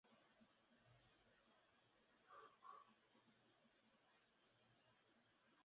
La historia de una neumonía mortal carece de fundamento.